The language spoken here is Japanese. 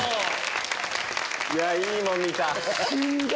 いやいいもん見た！